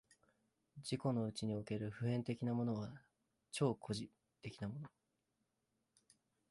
自己のうちにおける普遍的なもの、超個人的なもの、